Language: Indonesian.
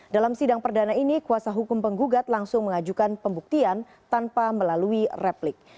dalam sidang perdana ini kuasa hukum penggugat langsung mengajukan pembuktian tanpa melalui replik